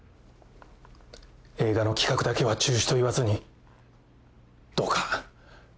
映画の企画だけは中止と言わずにどうか。